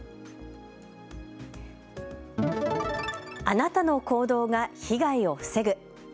あなたの行動が被害を防ぐ。